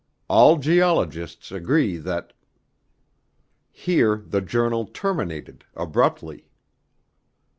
All geologists agree that " Here the journal terminated abruptly.